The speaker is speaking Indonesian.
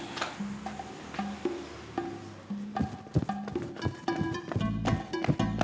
sudah kayak ini dalam